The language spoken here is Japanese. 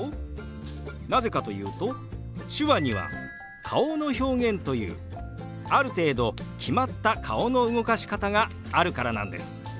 なぜかというと手話には顔の表現というある程度決まった顔の動かし方があるからなんです。